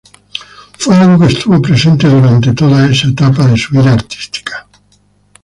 Fue algo que estuvo presente durante toda esta etapa de su vida artística.